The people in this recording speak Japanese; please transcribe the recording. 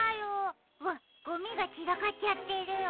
うわっゴミがちらかっちゃってるよ。